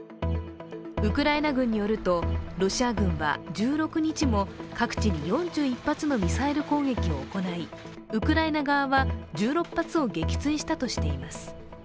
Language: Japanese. ウクライナ軍によると、ロシア軍は１６日も各地に４１発のミサイル攻撃を行いウクライナ側は１６発を撃墜したとしています。